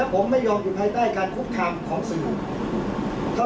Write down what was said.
ผมไม่ทำอะไรผิดผลหมายแน่นอนนะครับ